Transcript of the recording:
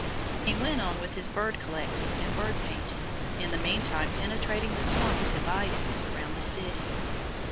He went on with his bird collecting and bird painting; in the meantime penetrating the swamps and bayous around the city.